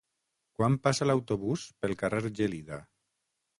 Quan passa l'autobús pel carrer Gelida?